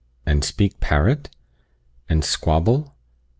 and speak parrot? and squabble?